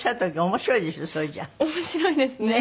面白いですね。